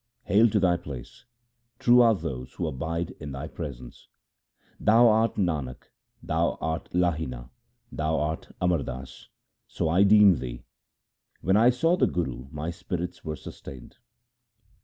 Hail to thy place ! true are those who abide in thy pre sence. Thou art Nanak, thou art Lahina, thou art Amar Das ; so I deem thee. When I saw the Guru my spirits were sustained.